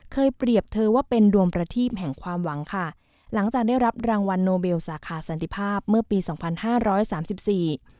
เปรียบเธอว่าเป็นดวงประทีบแห่งความหวังค่ะหลังจากได้รับรางวัลโนเบลสาขาสันติภาพเมื่อปีสองพันห้าร้อยสามสิบสี่